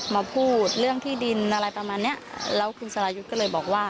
มาพูดเรื่องที่ดินอะไรประมาณเนี้ยแล้วคุณสรายุทธ์ก็เลยบอกว่า